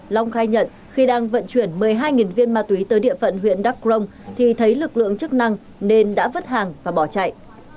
long khai nhận khi đang vận chuyển một mươi hai viên ma túy tới địa phận huyện đắk rông thì thấy lực lượng chức năng nên đã vứt hàng và bỏ chạy